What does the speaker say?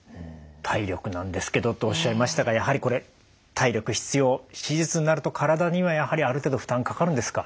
「体力なんですけど」とおっしゃいましたがやはりこれ体力必要手術になると体にはやはりある程度負担かかるんですか？